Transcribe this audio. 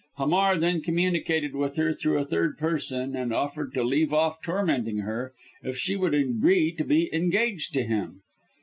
Hamar then communicated with her, through a third person, and offered to leave off tormenting her, if she would agree to be engaged to him.